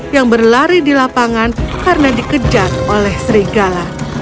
yang berlari di lapangan karena dikejar oleh serigala